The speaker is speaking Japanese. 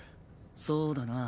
そうだな。